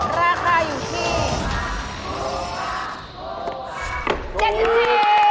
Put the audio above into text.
ราคาอยู่ที่